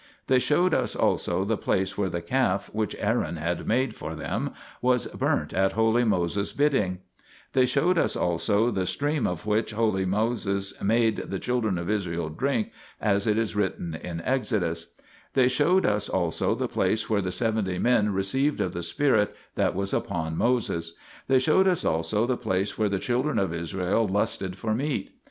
They showed us also the place where the calf which Aaron had made for them was burnt at holy Moses' bidding. They showed 1 Exod. iii. 5. 2 Exod. xxxii. 19. J Exod. xxxii. 27. io THE PILGRIMAGE OF ETHERIA us also the stream of which holy Moses made the children of Israel drink, as it is written in Exodus. 1 They showed us also the place where the seventy men received of the spirit that was upon Moses. 2 They showed us also the place where the children of Israel lusted for meat.